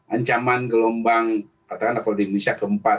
ancaman gelombang katakanlah kalau di indonesia keempat